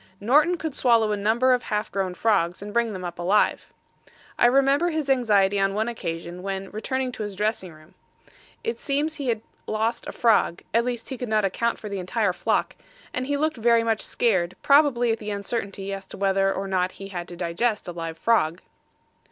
Norton could swallow a number of half grown frogs and bring them up alive. I remember his anxiety on one occasion when returning to his dressing room; it seems he had lost a frog at least he could not account for the entire flock and he looked very much scared, probably at the uncertainty as to whether or not he had to digest a live frog.